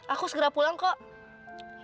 aku segera pulang kok